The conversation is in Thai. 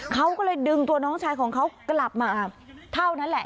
เขาก็เลยดึงตัวน้องชายของเขากลับมาเท่านั้นแหละ